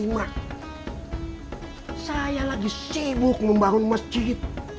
rumah saya lagi sibuk membangun masjid